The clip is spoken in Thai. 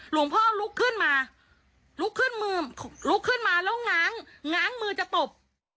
หลวงพ่อลุกขึ้นมาลุกขึ้นมือลุกขึ้นมาแล้วง้าง้างมือจะตบ